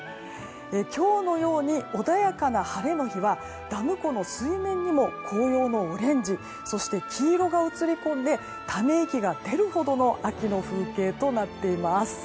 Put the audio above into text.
今日のように穏やかな晴れの日はダム湖の水面にも紅葉のオレンジそして黄色が映り込んでため息が出るほどの秋の風景となっています。